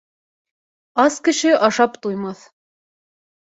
Ас кеше ашап туймаҫ.